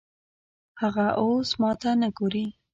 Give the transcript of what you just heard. هغه اوس ماته نه ګوري